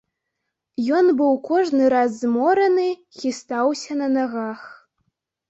Ён быў кожны раз змораны, хістаўся на нагах.